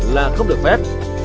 là không được phép